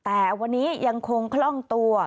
แต่วันนี้ยังคงคล่องตัว